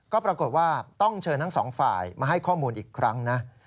ก็ปรากฏว่าต้องเชิญทั้งสองฝ่ายมาให้ข้อมูลอีกครั้งนะ